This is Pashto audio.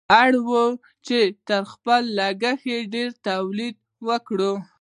اړ وو چې تر خپل لګښت ډېر تولید وکړي.